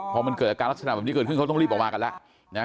พอมันเกิดอาการลักษณะแบบนี้เกิดขึ้นเขาต้องรีบออกมากันแล้วนะ